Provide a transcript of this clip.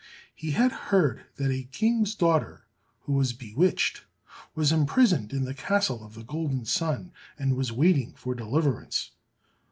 He had heard that a King's daughter who was bewitched, was imprisoned in the Castle of the Golden Sun, and was waiting for deliverance.